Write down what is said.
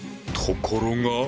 ところが。